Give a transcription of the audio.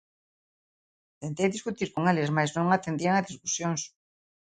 Tentei discutir con eles mais non atendían a discusións.